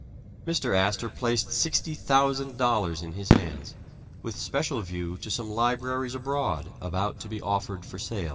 Mr. Astor placed sixty thousand dol lars in his hands, with special view to some libraries abroad about to be offered for sale.